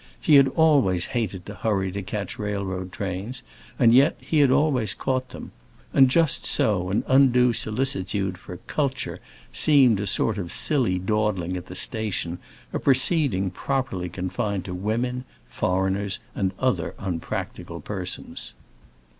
He had always hated to hurry to catch railroad trains, and yet he had always caught them; and just so an undue solicitude for "culture" seemed a sort of silly dawdling at the station, a proceeding properly confined to women, foreigners, and other unpractical persons.